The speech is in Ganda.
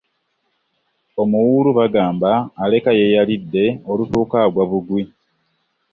Omuwuulu bagamba aleka yeeyalidde olutuuka agwa bugwi.